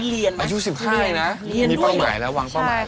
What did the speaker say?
เรียนได้อีกหรอมีเป้าหมายแล้ววางเป้าหมายหรอ